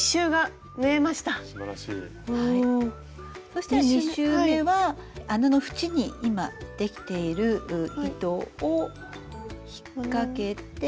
そしたら２周めは穴の縁に今できている糸を引っかけて。